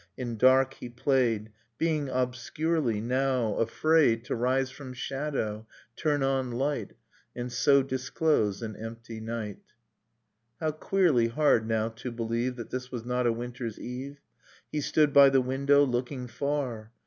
In dark he played, Being obscurely, now, afraid To rise from shadow, turn on light, And so disclose ... an empty night ... Dust in Starlight ] How queerly hard now to believe That this was not a winter's eve! ...^ He stood by the window, looking far